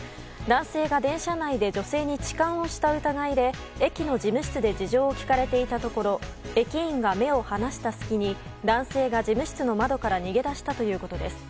男性が電車内で女性に痴漢をした疑いで駅の事務室で事情を聴かれていたところ駅員が目を離した隙に男性が事務室の窓から逃げ出したということです。